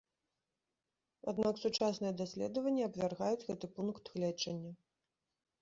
Аднак сучасныя даследаванні абвяргаюць гэты пункт гледжання.